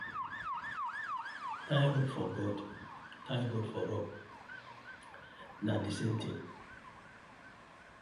Tie rope for goat, tie goat for rope, na the same thing.